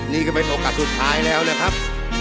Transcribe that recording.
นี่ก็เป็นโอกาสสุดท้ายแล้วนะครับ